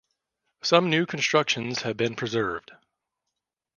Some new constructions have been preserved.